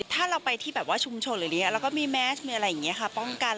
ถ้าเราไปที่แบบว่าชุมชนหรืออย่างนี้เราก็มีแมสมีอะไรอย่างนี้ค่ะป้องกัน